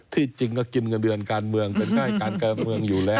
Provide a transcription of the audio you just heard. ที่จริงก็กินเงินเดือนการเมืองเป็นง่ายการการเมืองอยู่แล้ว